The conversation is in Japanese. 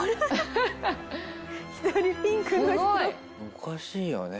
おかしいよね